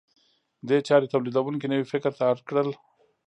دې چارې تولیدونکي نوي فکر ته اړ کړل.